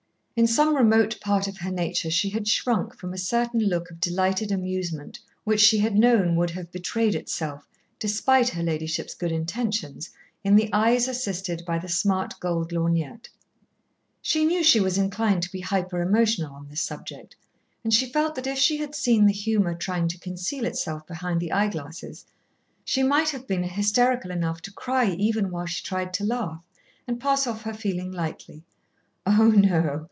In some remote part of her nature she had shrunk from a certain look of delighted amusement which she had known would have betrayed itself, despite her ladyship's good intentions, in the eyes assisted by the smart gold lorgnette. She knew she was inclined to be hyper emotional on this subject, and she felt that if she had seen the humour trying to conceal itself behind the eye glasses, she might have been hysterical enough to cry even while she tried to laugh, and pass her feeling off lightly. Oh, no!